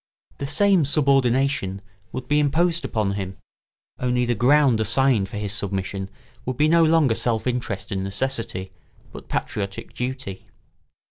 The same subordination would be imposed upon him, only the ground assigned for his submission would be no longer self interest and necessity, but patriotic duty.